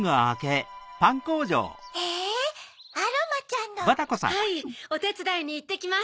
・へぇアロマちゃんの・はいおてつだいにいってきます。